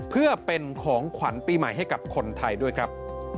เพื่อเป็นของขวัญปีใหม่ให้กับคนไทยด้วยครับ